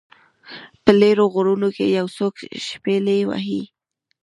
په لیرو غرونو کې یو څوک شپیلۍ وهي